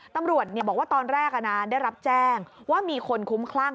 ตำรวจบอกว่าตอนแรกได้รับแจ้งว่ามีคนคุ้มคลั่ง